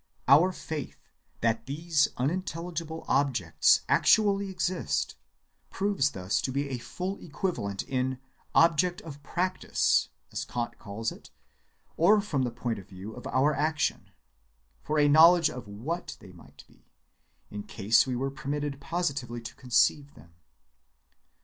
Our faith that these unintelligible objects actually exist proves thus to be a full equivalent in praktischer Hinsicht, as Kant calls it, or from the point of view of our action, for a knowledge of what they might be, in case we were permitted positively to conceive them.